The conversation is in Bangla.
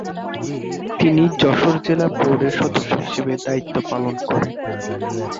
তিনি যশোর জেলা বোর্ডের সদস্য হিসেবে দায়িত্ব পালন করেন।